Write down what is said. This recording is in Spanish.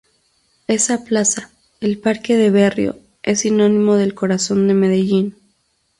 Esa plaza, el parque de Berrío, es sinónimo del corazón de Medellín.